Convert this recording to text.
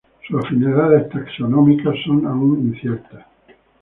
Sus afinidades taxonómicas son aún inciertas.